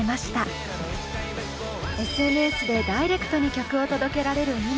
ＳＮＳでダイレクトに曲を届けられる今。